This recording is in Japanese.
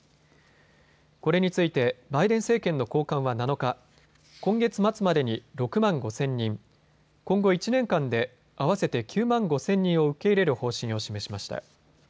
これについてバイデン政権の高官は７日、今月末までに６万５０００人、今後１年間で合わせて９万５０００人を受け入れる方針を示しました。